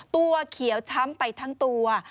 ตัวเขียวช้ำไปทั้งตัว